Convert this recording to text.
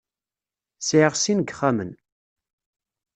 Sɛiɣ sin n yixxamen.